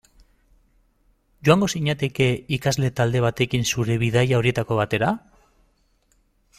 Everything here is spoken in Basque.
Joango zinateke ikasle talde batekin zure bidaia horietako batera?